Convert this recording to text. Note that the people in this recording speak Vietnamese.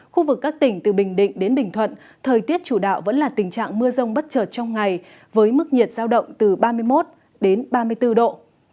khu vực các tỉnh từ bình định đến bình thuận thời tiết chủ đạo vẫn là tình trạng mưa rông bất chợt trong ngày với mức nhiệt giao động từ ba mươi một đến ba mươi bốn độ